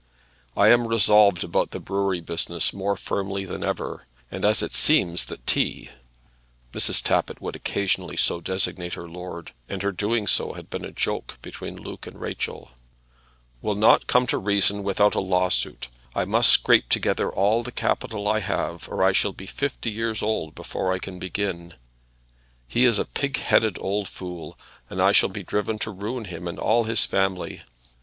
I am resolved about the brewery business more firmly than ever, and as it seems that "T" Mrs. Tappitt would occasionally so designate her lord, and her doing so had been a joke between Luke and Rachel, will not come to reason without a lawsuit, I must scrape together all the capital I have, or I shall be fifty years old before I can begin. He is a pig headed old fool, and I shall be driven to ruin him and all his family.